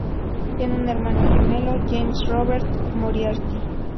Tiene un hermano gemelo, James Robert Moriarty.